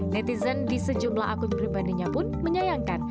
netizen di sejumlah akun pribadinya pun menyayangkan